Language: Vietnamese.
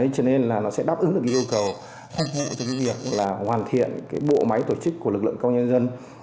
cho nên là nó sẽ đáp ứng được yêu cầu hoàn thiện bộ máy tổ chức của lực lượng công an nhân dân